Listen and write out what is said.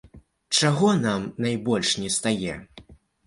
Чаго нам найбольш нестае?